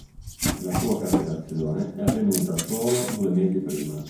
La sua carcerazione è avvenuta solo due mesi prima.